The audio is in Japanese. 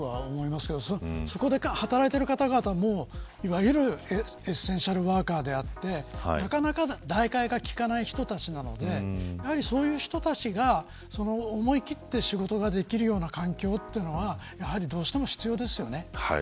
そこで働いている方々もいわゆるエッセンシャルワーカーであってなかなか代替が効かないものでそういう人たちが思い切って仕事ができる環境というのはどうしても必要ですよね。